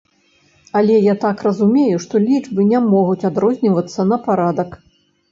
Але, я так разумею, што лічбы не могуць адрознівацца на парадак.